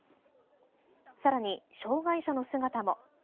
さらに、障害者の姿も。